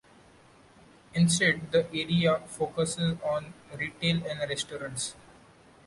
Instead, the area focuses on retail and restaurants.